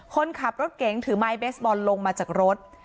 คนขับรถเก๋งถือไม้เบสบอลลงมาจากรถ